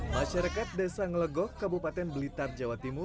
masyarakat desa ngelegok kabupaten blitar jawa timur